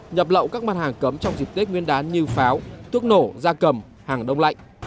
nhập lậu các mặt hàng cấm trong dịp tết nguyên đán như pháo thuốc nổ da cầm hàng đông lạnh